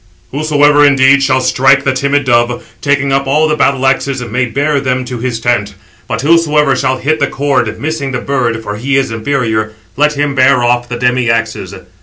"Whosoever indeed shall strike the timid dove, taking up all the battle axes, may bear [them] to his tent; but whosoever shall hit the cord, missing the bird (for he is inferior), let him bear off the demi axes."